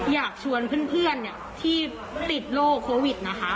อยากชวนเพื่อนเพื่อนเนี้ยที่ติดโรคโควิดนะคะ